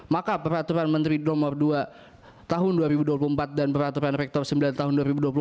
maka peraturan menteri nomor dua tahun dua ribu dua puluh empat dan peraturan rektor sembilan tahun dua ribu dua puluh tiga